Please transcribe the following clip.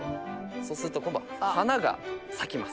そうすると今度花が咲きます。